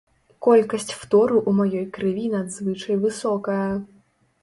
Колькасць фтору ў маёй крыві надзвычай высокая.